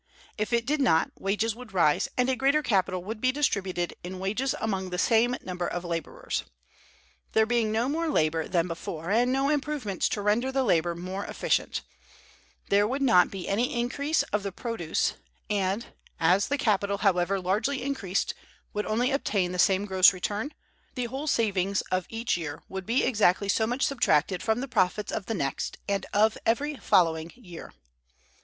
If it did not, wages would rise, and a greater capital would be distributed in wages among the same number of laborers. There being no more labor than before, and no improvements to render the labor more efficient, there would not be any increase of the produce; and, as the capital, however largely increased, would only obtain the same gross return, the whole savings of each year would be exactly so much subtracted from the profits of the next and of every following year.